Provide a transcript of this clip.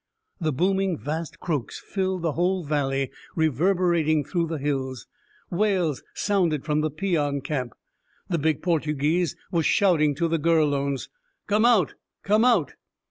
The booming, vast croaks filled the whole valley, reverberating through the hills. Wails sounded from the peon camp. The big Portuguese was shouting to the Gurlones. "Come out, come out!"